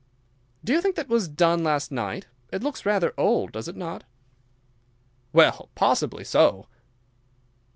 "Do you think that was done last night? It looks rather old, does it not?" "Well, possibly so."